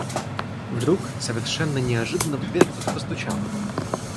Вдруг, совершенно неожиданно, в дверь кто-то постучал.